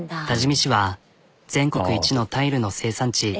多治見市は全国一のタイルの生産地。